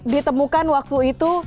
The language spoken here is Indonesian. ditemukan waktu itu